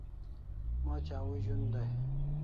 Moch au zun dai